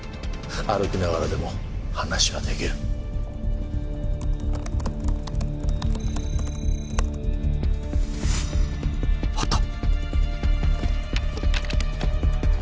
歩きながらでも話はできるあった！